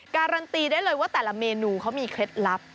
การันตีได้เลยว่าแต่ละเมนูเขามีเคล็ดลับ